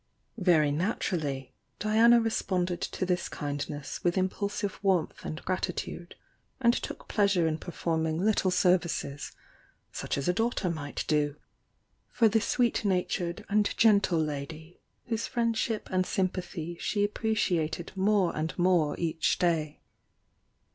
Very naturally Diana responded to this kindness with impulsive warmth and gratitude, and took pleasure in performing little services, such as a daughter might do, for the sweet natured and. gentle lady whose friendship and sympathy she ap preciated more and more each day.